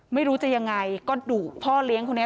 ไม่รู้จะยังไงก็ดุพ่อเลี้ยงคนนี้